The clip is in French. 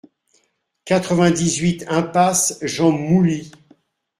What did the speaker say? quatre-vingt-dix-huit impasse Jean Mouly